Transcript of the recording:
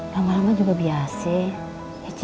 lama lama juga biasa ya cil